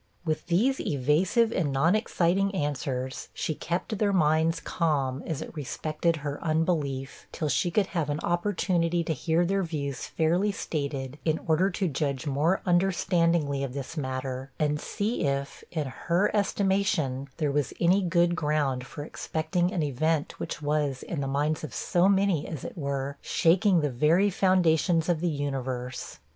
With these evasive and non exciting answers, she kept their minds calm as it respected her unbelief, till she could have an opportunity to hear their views fairly stated, in order to judge more understandingly of this matter, and see if, in her estimation, there was any good ground for expecting an event which was, in the minds of so many, as it were, shaking the very foundations of the universe.